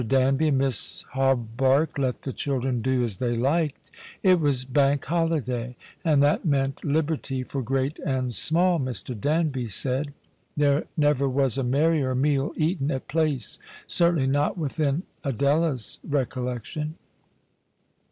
Danby and Miss Hawberk let the children do as they liked. It was Bank Holiday, and that meant liberty for great and small, Mr. Danby said. There never was a merrier meal eaten at Place — certainly not within Adela's recollection.